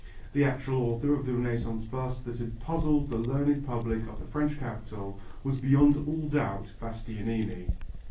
The actual author of the Renaissance bust that had puzzled the learned public of the French capital, was beyond all doubt Bastianini.